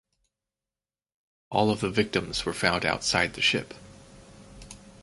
All of the victims were found outside the ship.